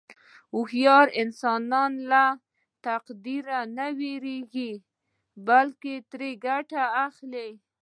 هوښیار انسان له تنقیده نه وېرېږي، بلکې ترې ګټه اخلي.